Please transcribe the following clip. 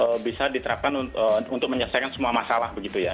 itu bisa diterapkan untuk menyelesaikan semua masalah begitu ya